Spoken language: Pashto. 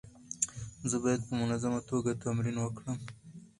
زه باید په منظمه توګه تمرین وکړم.